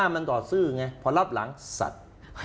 พอซื้อไงพอรับหลังสัตว์